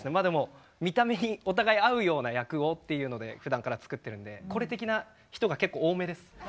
でも見た目にお互い合うような役をっていうのでふだんから作ってるんでこれ的な人が結構多めです。